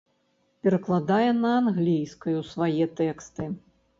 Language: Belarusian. Перакладае на англійскую свае тэксты.